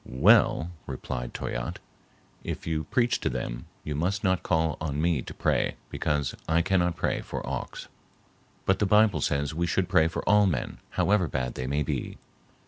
"Well," replied Toyatte, "if you preach to them, you must not call on me to pray, because I cannot pray for Auks." "But the Bible says we should pray for all men, however bad they may be."